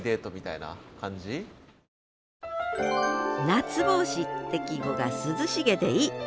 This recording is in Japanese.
「夏帽子」って季語が涼しげでいい。